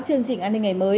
chương trình an ninh ngày mới